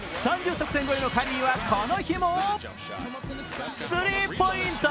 得点超えのカリーはこの日もスリーポイント。